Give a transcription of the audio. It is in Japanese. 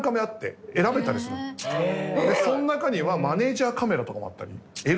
その中にはマネージャーカメラとかもあったり。